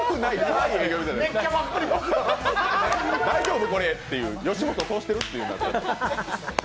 大丈夫これっていう吉本通してるっていう。